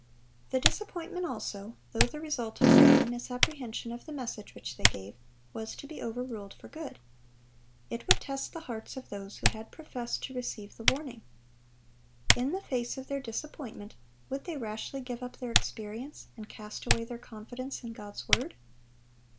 The disappointment also, though the result of their own misapprehension of the message which they gave, was to be overruled for good. It would test the hearts of those who had professed to receive the warning. In the face of their disappointment, would they rashly give up their experience, and cast away their confidence in God's word?